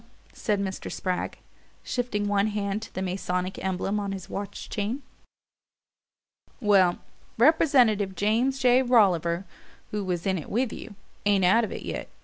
said Mr. Spragg, shifting one hand to the Masonic emblem on his watch chain. "Well, Representative James J. Rolliver, who was in it with you, ain't out of it yet.